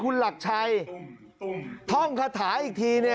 คุณหลักชัยท่องคาถาอีกทีเนี่ย